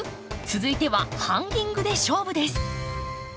続いてはハンギングで勝負です。